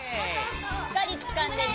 しっかりつかんでね。